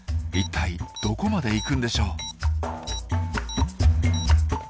一体どこまで行くんでしょう？